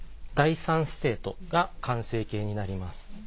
第３ステートが完成形になります。